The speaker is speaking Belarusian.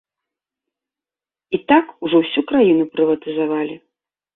І так ужо ўсю краіну прыватызавалі.